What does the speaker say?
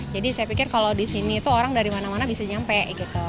jadi saya pikir kalau di sini itu orang dari mana mana bisa nyampe gitu